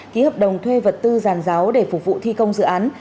ký hợp đồng thuê vật tư giàn giáo để phục vụ thi công dự án